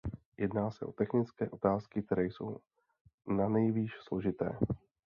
Jedná se o technické otázky, které jsou nanejvýš složité.